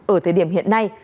ở thời điểm hiện nay